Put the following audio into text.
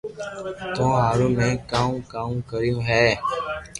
تو ھارو ۾ ڪاو ڪاو ڪريو ھي